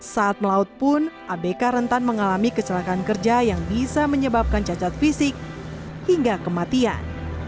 saat melaut pun abk rentan mengalami kecelakaan kerja yang bisa menyebabkan cacat fisik hingga kematian